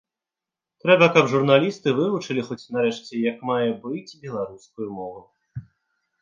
Трэба, каб журналісты вывучылі хоць, нарэшце, як мае быць беларускую мову.